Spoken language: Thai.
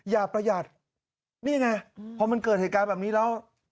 อย่าประหยัดนี่ไงพอมันเกิดเหตุการณ์แบบนี้แล้ว